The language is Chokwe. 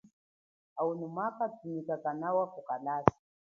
Au mwa kanthumika kanawa kukalasa.